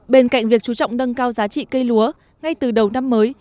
bên cạnh việc chú trọng nâng cao giá trị cây lúa ngay từ đầu năm mới